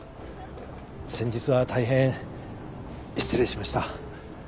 先日は大変失礼しました。